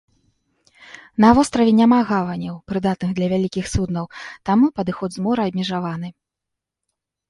На востраве няма гаваняў, прыдатных для вялікіх суднаў, таму падыход з мора абмежаваны.